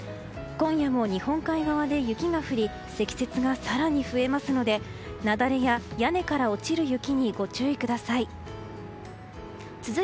今夜も日本海側で雪が降り積雪が更に増えますので雪崩や屋根から落ちる雪にご注意ください。